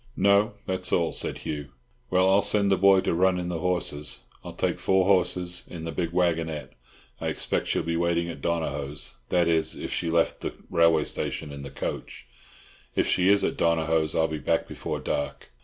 "No, that's all," said Hugh. "Well, I'll send the boy to run in the horses. I'll take four horses in the big waggonette; I expect she'll be waiting at Donohoe's—that is, if she left the railway station in the coach—if she is at Donohoe's I'll be back before dark."